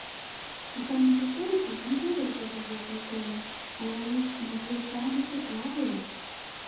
І таму гісторыкі не бяруцца за гэтыя тэмы, а яны ж надзвычайна цікавыя!